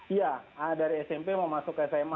iya dari smp mau masuk sma